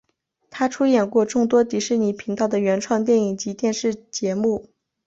他出演过众多迪士尼频道的原创电影及电视节目。